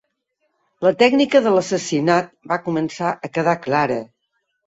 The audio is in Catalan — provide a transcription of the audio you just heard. La tècnica de l'assassinat va començar a quedar clara.